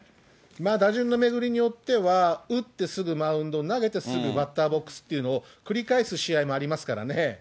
打順の巡りによっては打ってすぐマウンド、投げてすぐバッターボックスっていうのを繰り返す試合もあります